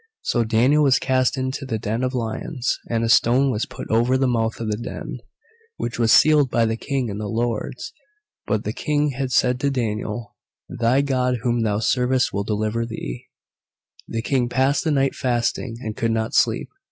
So Daniel was cast into the den of lions, and a stone was put over the mouth of the den, which was sealed by the King and the lords. But the King had said to Daniel, "Thy God whom thou servest will deliver thee." The King passed the night fasting, and could not sleep.